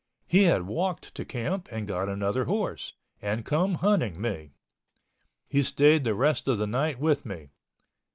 He had walked to camp and got another horse, and come hunting me. He stayed the rest of the night with me.